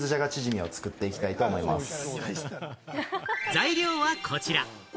材料はこちら。